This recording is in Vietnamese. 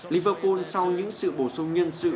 liverpool sau những sự bổ sung nhân sự